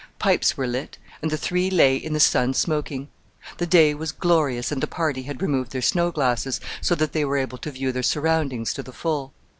Pipes were lit, and the three lay in the sun smoking. The day was glorious and the party had removed their snow glasses, so that they were able to view their surroundings to the full.